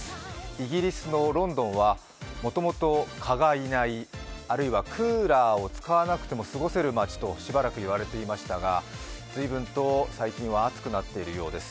イギリスのロンドンはもともと蚊がいない、あるいはクーラーを使わなくても過ごせる街としばらくいわれていましたが、随分と最近は暑くなっているようです。